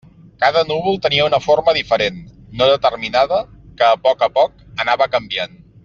Cada núvol tenia una forma diferent, no determinada, que, a poc a poc, anava canviant.